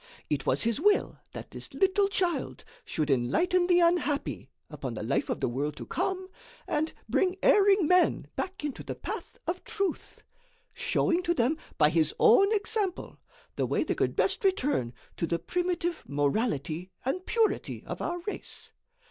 It was his will that this little child should enlighten the unhappy upon the life of the world to come and bring erring men back into the path of truth; showing to them, by his own example, the way they could best return to the primitive morality and purity of our race.